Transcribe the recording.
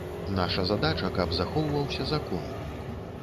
Наша задача, каб захоўваўся закон.